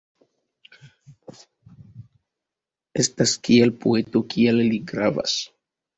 Estas kiel poeto kiel li gravas.